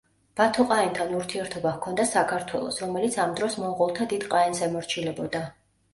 ბათო-ყაენთან ურთიერთობა ჰქონდა საქართველოს, რომელიც ამ დროს მონღოლთა დიდ ყაენს ემორჩილებოდა.